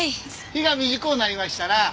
日が短うなりましたな。